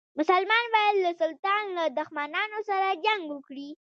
مسلمان باید له سلطان له دښمنانو سره جنګ وکړي.